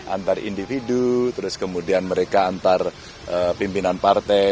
antar individu terus kemudian mereka antar pimpinan partai